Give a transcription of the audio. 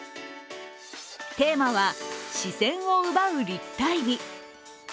テーマは視線を奪う立体美。